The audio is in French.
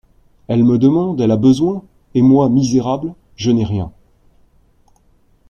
Elle me demande, elle a besoin ! et moi, misérable, je n'ai rien.